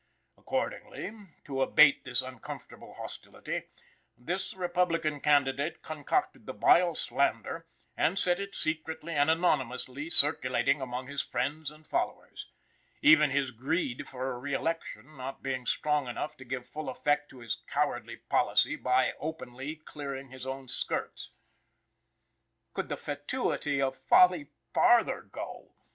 Accordingly, to abate this uncomfortable hostility, this Republican candidate concocted the vile slander and set it secretly and anonymously circulating among his friends and followers; even his greed for reëlection being not strong enough to give full effect to his cowardly policy by openly clearing his own skirts. Could the fatuity of folly farther go?